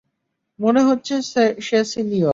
মনে হচ্ছে সে সিনিয়র।